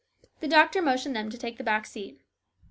The doctor motioned them to take the back seat.